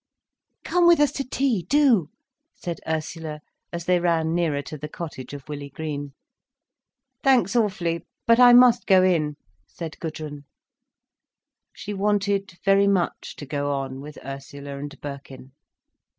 "Come with us to tea—do," said Ursula, as they ran nearer to the cottage of Willey Green. "Thanks awfully—but I must go in—" said Gudrun. She wanted very much to go on with Ursula and Birkin.